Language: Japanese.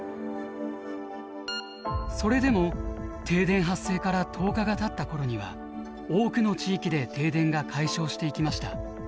それでも停電発生から１０日がたった頃には多くの地域で停電が解消していきました。